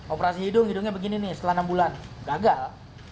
operasi hidung hidungnya begini nih setelah enam bulan gagal